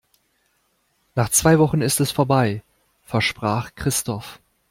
Nach zwei Wochen ist es vorbei, versprach Christoph.